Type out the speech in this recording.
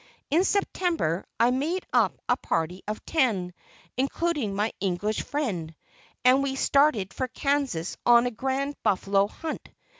In September, I made up a party of ten, including my English friend, and we started for Kansas on a grand buffalo hunt.